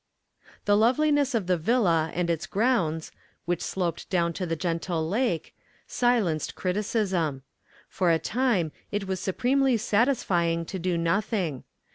The loveliness of the villa and its grounds, which sloped down to the gentle lake, silenced criticism. For a time it was supremely satisfying to do nothing.